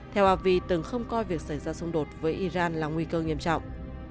theo avi từng không coi việc xảy ra xung đột với iran là nguy cơ nghiêm trọng